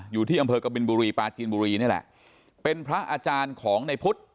อยู่ที่อำเภอกบินบุรีปลาจีนบุรีนี่แหละเป็นพระอาจารย์ของในพุทธ